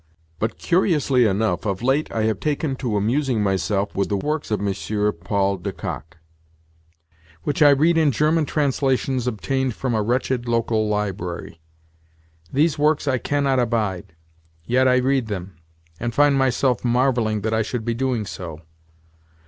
But, curiously enough, of late I have taken to amusing myself with the works of M. Paul de Kock, which I read in German translations obtained from a wretched local library. These works I cannot abide, yet I read them, and find myself marvelling that I should be doing so.